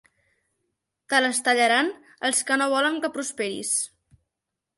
Te les tallaran els que no volen que prosperis.